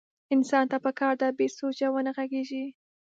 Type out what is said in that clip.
انسان ته پکار ده بې سوچه ونه غږېږي.